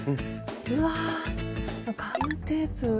うわガムテープ。